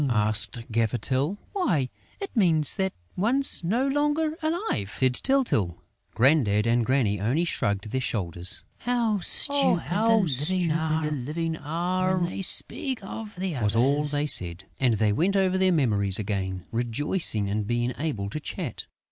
asked Gaffer Tyl. "Why, it means that one's no longer alive!" said Tyltyl. Grandad and Granny only shrugged their shoulders: "How stupid the Living are, when they speak of the Others!" was all they said. And they went over their memories again, rejoicing in being able to chat.